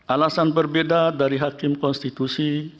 alasan berbeda dari hakim konstitusi